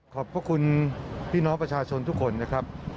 ขอบพระคุณพี่น้องประชาชนทุกคนนะครับ